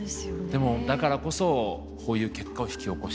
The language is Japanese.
でもだからこそこういう結果を引き起こしている。